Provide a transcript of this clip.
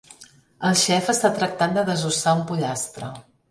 El xef està tractant de desossar un pollastre